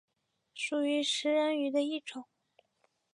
属于食人鱼的一种。